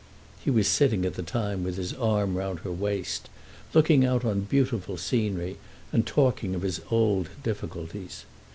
He was sitting at the time with his arm round her waist, looking out on beautiful scenery and talking of his old difficulties.